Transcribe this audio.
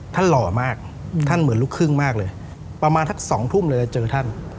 หล่อมากท่านเหมือนลูกครึ่งมากเลยประมาณสัก๒ทุ่มเลยเจอท่าน